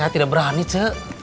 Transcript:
saya tidak berani cek